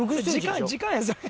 時間やそれ。